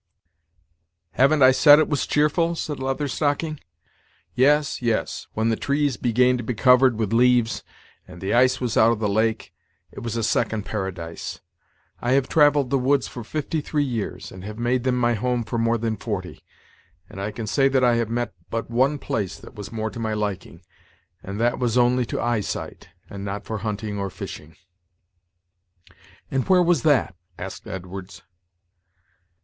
"Haven't I said it was cheerful?" said Leather Stocking. "Yes, yes, when the trees began to be covered with leaves, and the ice was out of the hake, it was a second paradise. I have travelled the woods for fifty three years, and have made them my home for more than forty, and I can say that I have met but one place that was more to my liking; and that was only to eyesight, and not for hunting or fishing." "And where was that?" asked Edwards.